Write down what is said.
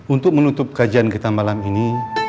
untuk menutup kajian kita malam ini